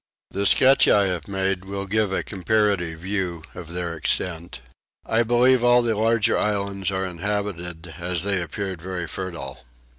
The sketch I have made will give a comparative view of their extent. I believe all the larger islands are inhabited as they appeared very fertile.